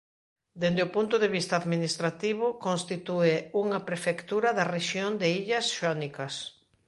Dende o punto de vista administrativo constitúe unha prefectura da Rexión de Illas Xónicas.